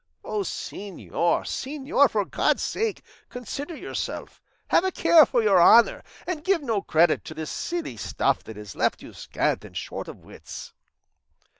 O señor, señor, for God's sake, consider yourself, have a care for your honour, and give no credit to this silly stuff that has left you scant and short of wits."